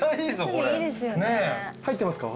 入ってますか？